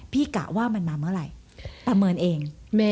กะว่ามันมาเมื่อไหร่ประเมินเอง